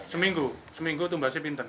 seminggu seminggu untuk mengurangi pindahnya